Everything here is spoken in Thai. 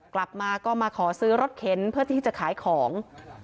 กลับมาก็มาขอซื้อรถเข็นเพื่อที่จะขายของ